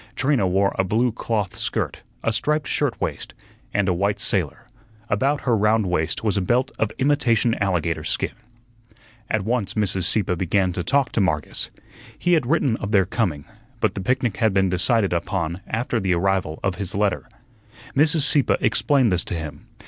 Trina wore a blue cloth skirt, a striped shirt waist, and a white sailor; about her round waist was a belt of imitation alligator skin. At once Mrs. Sieppe began to talk to Marcus. He had written of their coming, but the picnic had been decided upon after the arrival of his letter. Mrs. Sieppe explained this to him.